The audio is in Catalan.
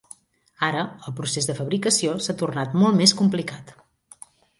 Ara, el procés de fabricació s'ha tornat molt més complicat.